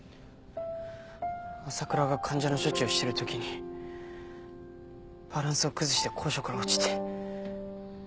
朝倉が患者の処置をしてるときにバランスを崩して高所から落ちて。